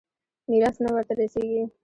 ميراث نه ورته رسېږي.